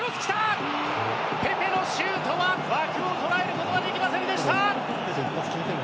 ペペのシュートは枠を捉えることはできませんでした。